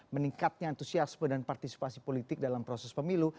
meningkatnya antusiasme dan partisipasi politik dalam proses pemilu